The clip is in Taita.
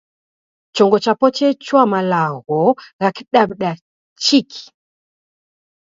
Chongo chapo chechua malagho gha Kidaw'ida chiki.